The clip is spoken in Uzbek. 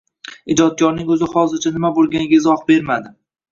Ijodkorning o‘zi hozircha nima bo‘lganiga izoh bermadi